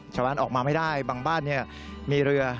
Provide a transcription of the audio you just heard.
ชาวบ้านออกมาไม่ได้บางบ้านมีเรือ